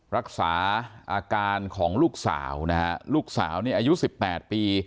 รักษาอาการของลูกสาวนะฮะลูกสาวนี่อายุ๑๘ปี